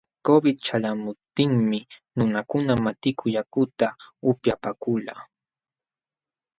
Covid ćhalqamuptinmi nunakuna matiku yakuta upyapaakulqa.